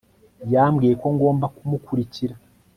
Yambwiye ko ngomba kumukurikira